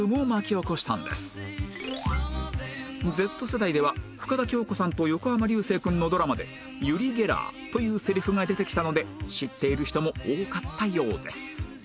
Ｚ 世代では深田恭子さんと横浜流星君のドラマで「ユリ・ゲラー」というセリフが出てきたので知っている人も多かったようです